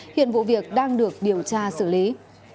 hiện vụ việc đang được điều tra xử lý